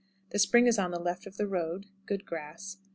The spring is on the left of the road. Good grass.